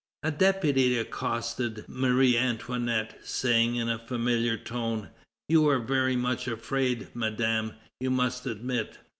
A deputy accosted Marie Antoinette, saying in a familiar tone: "You were very much afraid, Madame, you must admit."